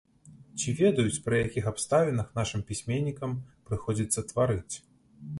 Ці ведаюць, пры якіх абставінах нашым пісьменнікам прыходзіцца тварыць?